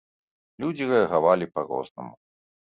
Людзі рэагавалі па рознаму.